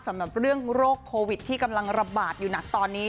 สำหรับเรื่องโรคโควิดที่กำลังระบาดอยู่หนักตอนนี้